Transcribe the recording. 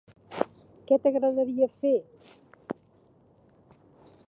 Què t"agradaria fer?